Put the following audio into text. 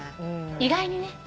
意外にね。